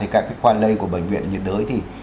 các khoa lây của bệnh viện nhiệt đới